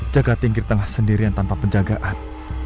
jaga pinggir tengah sendirian tanpa penjagaan